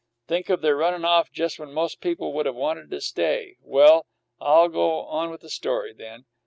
Think of their running off just when most people would have wanted to stay! Well, I'll go on with the story, then.